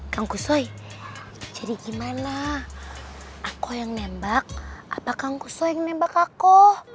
kang kusoy jadi gimana aku yang nembak apa kang kusoy yang nembak aku